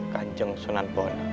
kanjeng sunan bona